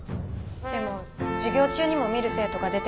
でも授業中にも見る生徒が出てくるから。